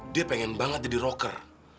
dia pengen banget jadi rocker